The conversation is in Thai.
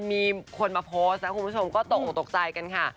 มีคนมาโพสต์นะคุณผู้ชมก็ตกออกตกใจกันค่ะ